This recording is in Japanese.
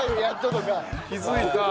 気づいた。